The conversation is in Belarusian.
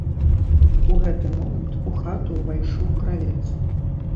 У гэты момант у хату ўвайшоў кравец.